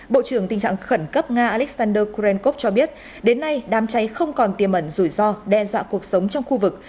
bộ trưởng tình trạng khẩn cấp nga alexander krenkov cho biết đến nay đám cháy không còn tiềm ẩn rủi ro đe dọa cuộc sống trong khu vực